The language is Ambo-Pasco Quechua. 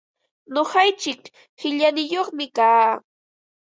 Nuqaichik qillaniyuqmi kaa.